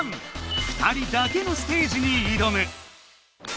２人だけのステージにいどむ。